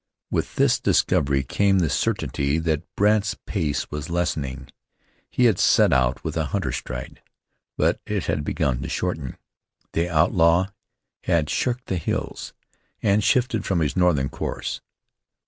With this discovery came the certainty that Brandt's pace was lessening. He had set out with a hunter's stride, but it had begun to shorten. The outlaw had shirked the hills, and shifted from his northern course.